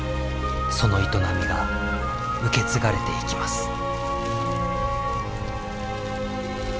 その営みが受け継がれていきます。